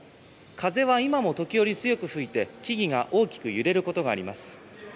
風は今も時折強く吹いて、木々が大きく揺れることがあります。